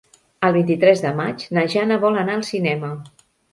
El vint-i-tres de maig na Jana vol anar al cinema.